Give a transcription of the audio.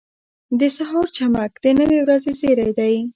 • د سهار چمک د نوې ورځې زیری دی.